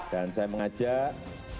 dan saya mengajak